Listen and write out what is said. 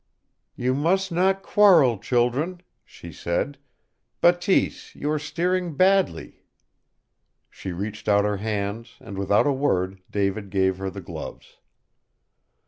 "You must not quarrel, children," she said. "Bateese, you are steering badly." She reached out her hands, and without a word David gave her the gloves.